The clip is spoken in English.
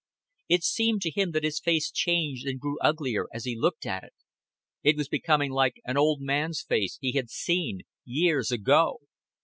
It seemed to him that his face changed and grew uglier as he looked at it. It was becoming like an old man's face he had seen years ago.